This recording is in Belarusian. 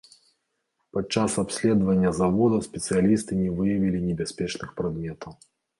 Падчас абследавання завода спецыялісты не выявілі небяспечных прадметаў.